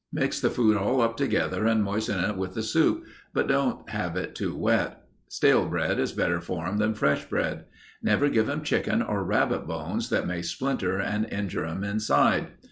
Mix the food all up together and moisten it with the soup, but don't have it too wet. Stale bread is better for 'em than fresh bread. Never give 'em chicken or rabbit bones that may splinter and injure 'em inside.